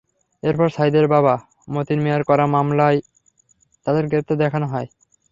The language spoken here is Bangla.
এরপর সাঈদের বাবা মতিন মিয়ার করা মামলায় তাঁদের গ্রেপ্তার দেখানো হয়।